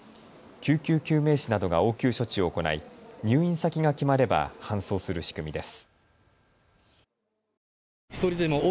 救急救命士などが応急処置を行い入院先が決まれば搬送する仕組みです。